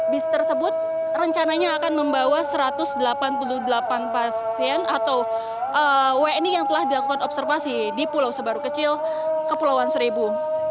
bis tersebut rencananya akan membawa satu ratus delapan puluh delapan pasien atau wni yang telah dilakukan observasi di pulau sebaru kecil kepulauan seribu